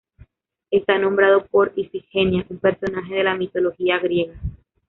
Está nombrado por Ifigenia, un personaje de la mitología griega.